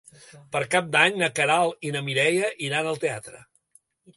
Per Cap d'Any na Queralt i na Mireia iran al teatre.